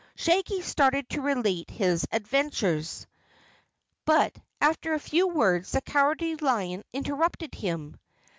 Shaggy started to relate his adventures, but after a few words the Cowardly Lion interrupted him.